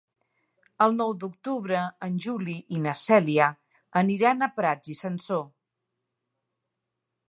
El nou d'octubre en Juli i na Cèlia aniran a Prats i Sansor.